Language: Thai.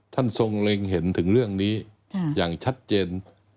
ทรงเล็งเห็นถึงเรื่องนี้อย่างชัดเจน